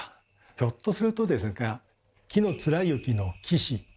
ひょっとするとですが紀貫之の紀氏。